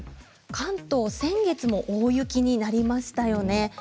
関東先月も大雪になりましたよね。